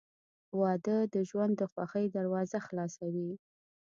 • واده د ژوند د خوښۍ دروازه خلاصوي.